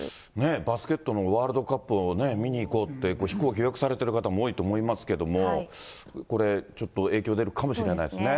バスケットのワールドカップを見に行こうって、飛行機予約されてる方も多いと思いますけれども、これ、ちょっと影響出るかもしれないですね。